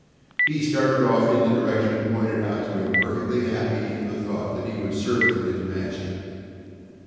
He started off in the direction pointed out to him perfectly happy in the thought that he was serving his master.